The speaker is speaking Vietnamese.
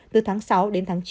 từ tháng sáu đến tháng chín